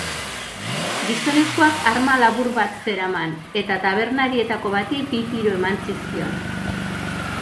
Gizonezkoak arma labur bat zeraman, eta tabernarietako bati bi tiro eman zizkion.